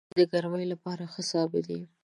بېنډۍ د ګرمۍ لپاره ښه سابه دی